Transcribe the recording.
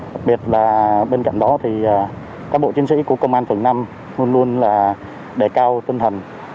đặc biệt là bên cạnh đó thì cán bộ chiến sĩ của công an phường năm luôn luôn là đề cao tinh thần